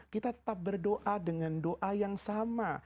kita tetap berdoa dengan doa yang sama